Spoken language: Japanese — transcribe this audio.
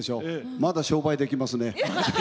まだ商売できますね。